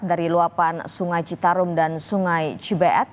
dari luapan sungai citarum dan sungai cibeet